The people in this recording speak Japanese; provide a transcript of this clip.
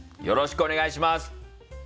よろしくお願いします。